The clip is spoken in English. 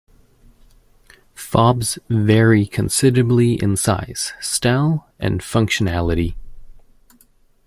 Fobs vary considerably in size, style and functionality.